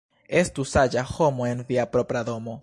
Estu saĝa homo en via propra domo.